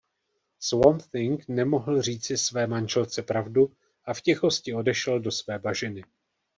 Swamp Thing nemohl říci své manželce pravdu a v tichosti odešel do své bažiny.